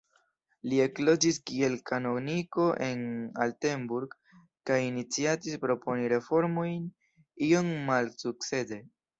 Li ekloĝis kiel kanoniko en Altenburg, kaj iniciatis proponi reformojn, iom malsukcese.